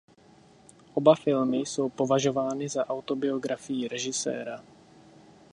Oba filmy jsou považovány za autobiografii režiséra.